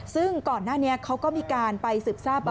ซึ่งก่อนหน้านี้เขาก็มีการไปสืบทราบ